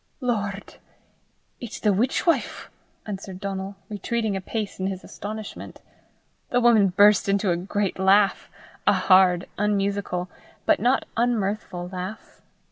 "Lord! it's the witch wife!" cried Donal, retreating a pace in his astonishment. The woman burst into a great laugh, a hard, unmusical, but not unmirthful laugh.